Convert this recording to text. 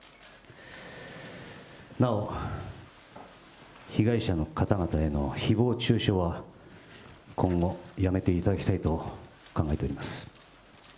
なお被害者の方々へのひぼう中傷は今後、やめていただきたいと考えております。